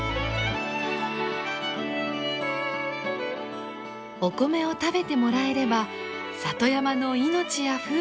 お米を食べてもらえれば里山の命や風景も守られるのです。